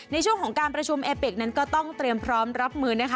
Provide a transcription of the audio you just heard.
ในช่วงของการประชุมเอเปิกนั้นก็ต้องเตรียมพร้อมรับมือนะคะ